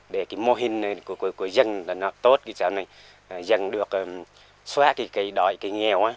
để mô hình của dân tốt dân được xóa đòi nghèo